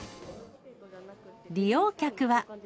利用客は。